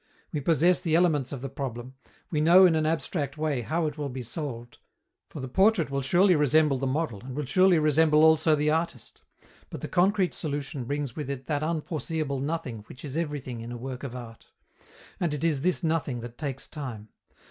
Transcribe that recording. We possess the elements of the problem; we know in an abstract way, how it will be solved, for the portrait will surely resemble the model and will surely resemble also the artist; but the concrete solution brings with it that unforeseeable nothing which is everything in a work of art. And it is this nothing that takes time.